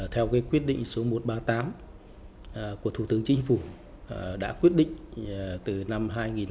theo quyết định số một trăm ba mươi tám của thủ tướng chính phủ đã quyết định từ năm hai nghìn một mươi bảy